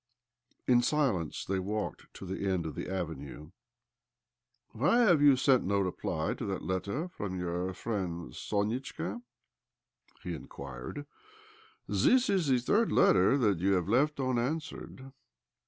In silence they walked to the end of tjje avenue. " Why have you sent no reply to that letter from your friend Sonichka ?" he inquired. " This is the third letter that ypu have left unanswered."